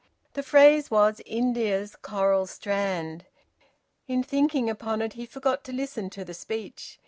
The phrase was `India's coral strand.' In thinking upon it he forgot to listen to the speech.